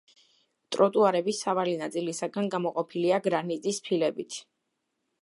ტროტუარები სავალი ნაწილისაგან გამოყოფილია გრანიტის ფილებით.